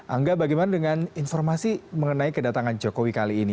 angga bagaimana dengan informasi mengenai kedatangan jokowi kali ini